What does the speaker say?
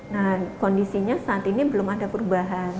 nah kondisinya saat ini belum ada perubahan